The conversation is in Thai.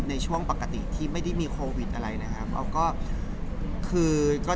หูวพี่เยอะยังไงเลย